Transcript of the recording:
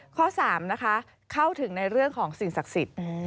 ข้อ๓นะคะเข้าถึงในเรื่องของสิ่งศักดิ์สิทธิ์